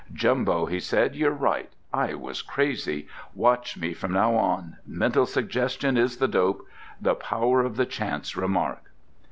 "Jumbo," he said, "you're right. I was crazy. Watch me from now on. Mental suggestion is the dope. The power of the chance remark!"